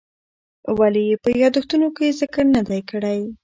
ولې یې په یادښتونو کې ذکر نه دی کړی؟